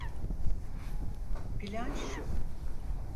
Plan şu.